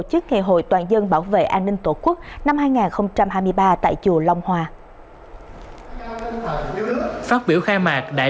chức ngày hội toàn dân bảo vệ an ninh tổ quốc năm hai nghìn hai mươi ba tại chùa long hòa phát biểu khai mạc đại